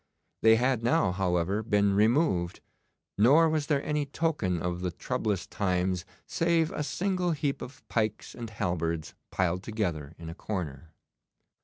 They had now, however, been removed, nor was there any token of the troublous times save a single heap of pikes and halberds piled together in a corner.